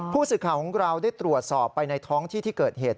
ผู้สื่อข่าวของเราได้ตรวจสอบไปในท้องที่ที่เกิดเหตุ